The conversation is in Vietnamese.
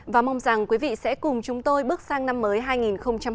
và mong rằng quý vị sẽ cùng chúng tôi bước sang năm mới hai nghìn hai mươi